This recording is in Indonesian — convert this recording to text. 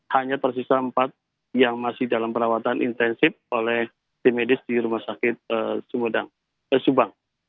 hanya tersisa empat yang masih dalam perawatan intensif oleh tim medis di rumah sakit subang